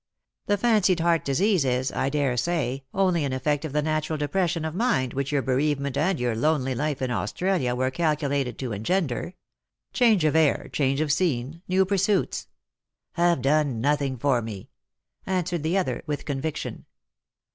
The fancied heart disease is, I daresay, only an effect of the natural depression of mind which your bereavement and your lonely life in Australia were calculated to engender. Change of air, change of scene, new pursuits " "Have done nothing for me," answered the other, with conviction.